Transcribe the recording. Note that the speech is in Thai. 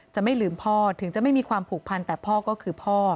จะไม่ลืมพ่อถึงจะไม่มีความผูกพันแต่พ่อก็คือพ่อ